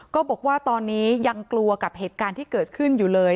ก็บอกว่าตอนนี้ยังกลัวกับเหตุการณ์ที่เกิดขึ้นอยู่เลย